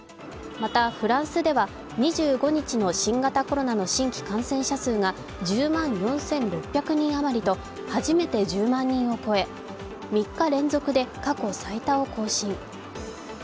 また、フランスでは２５日の新型コロナの新規感染者数が１０万４６００人余りと初めて１０万人を超え、３日連続で過去最多を更新。